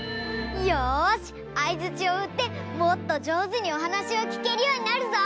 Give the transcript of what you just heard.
よしあいづちを打ってもっとじょうずにお話を聞けるようになるぞ！